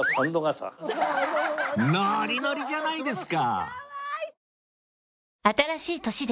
ノリノリじゃないですか